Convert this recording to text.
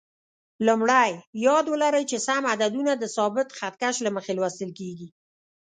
لومړی: یاد ولرئ چې سم عددونه د ثابت خط کش له مخې لوستل کېږي.